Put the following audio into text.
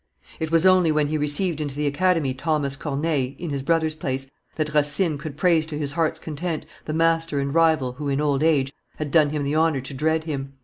It was only when he received into the Academy Thomas Corneille, in his brother's place, that Racine could praise to his heart's content the master and rival who, in old age, had done him the honor to dread him.